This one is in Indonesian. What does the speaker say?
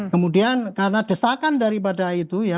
kemudian karena desakan daripada itu ya